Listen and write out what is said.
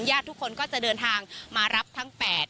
ทุกคนก็จะเดินทางมารับทั้ง๘